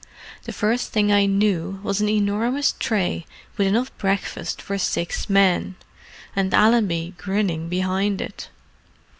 The first thing I knew was an enormous tray with enough breakfast for six men—and Allenby grinning behind it."